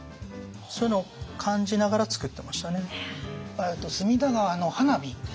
そういうのを感じながら作ってましたね。